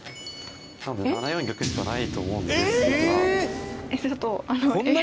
多分７四玉しかないと思うんですが。